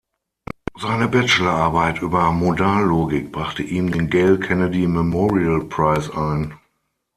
Seine Bachelorarbeit über Modallogik brachte ihm den "Gail Kennedy Memorial Prize" ein.